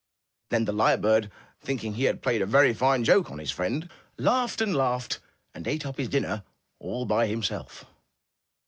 Then the lyre bird, thinking he had played a very fine joke on his friend, laughed and laughed, and ate up his dinner all by himself.